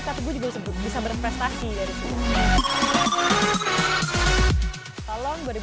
tapi gue juga sebut bisa berprestasi dari sini